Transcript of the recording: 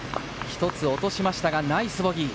一つ落としましたがナイスボギー。